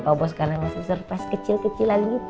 gue sekarang masih surprise kecil kecilan gitu